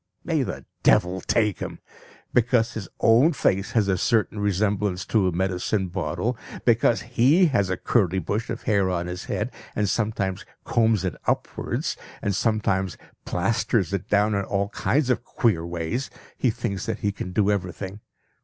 May the devil take him! Because his own face has a certain resemblance to a medicine bottle, because he has a curly bush of hair on his head, and sometimes combs it upwards, and sometimes plasters it down in all kinds of queer ways, he thinks that he can do everything.